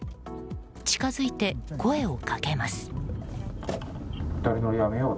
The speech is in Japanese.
近づいて声をかけます。